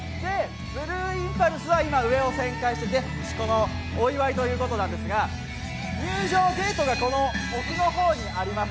ブルーインパルスは今、上を旋回していて、お祝いということなんですが、入場ゲートがこの奥の方にあります。